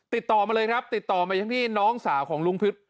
ติดต่อมาเลยครับติดต่อมายังที่น้องสาวของลุงพิษ